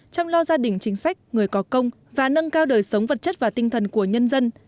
chăm lo gia đình chính sách người có công và nâng cao đời sống vật chất và tinh thần của nhân dân